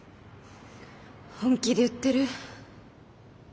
本気で言ってる？